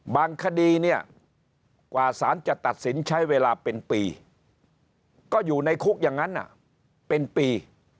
คดีเนี่ยกว่าสารจะตัดสินใช้เวลาเป็นปีก็อยู่ในคุกอย่างนั้นเป็นปี